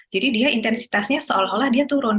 jadi dia intensitasnya seolah olah dia turun